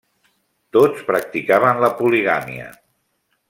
Tots practicaven la poligàmia.